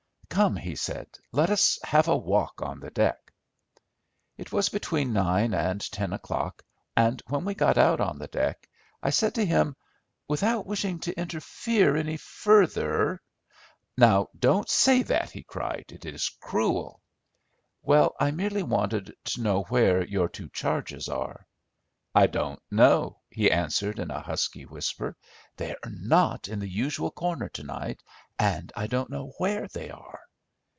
"Come," he said, "let us have a walk on the deck." It was between nine and ten o'clock; and when we got out on the deck, I said to him, "Without wishing to interfere any further—" "Now, don't say that," he cried; "it is cruel." "Well, I merely wanted to know where your two charges are." "I don't know," he answered, in a husky whisper; "they are not in the usual corner to night, and I don't know where they are."